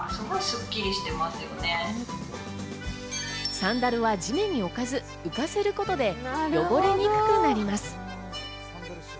サンダルは地面に置かず浮かせることで汚れにくくなります。